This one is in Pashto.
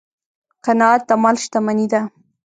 قناعت د مال شتمني ده.